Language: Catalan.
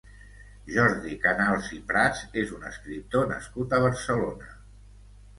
Jordi Canals i Prats és un escriptor nascut a Barcelona.